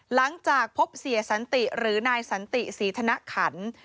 หลังจากพบเสียสันติหรือนายสันติศรีธนขัน